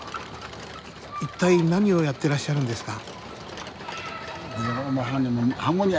一体何をやってらっしゃるんですか？